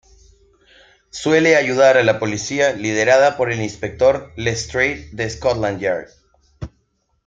Suele ayudar a la policía, liderada por el inspector Lestrade de Scotland Yard.